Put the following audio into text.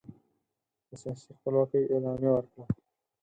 د سیاسي خپلواکۍ اعلامیه ورکړه.